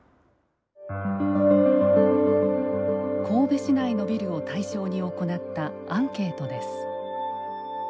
神戸市内のビルを対象に行ったアンケートです。